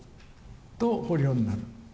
と捕虜になる。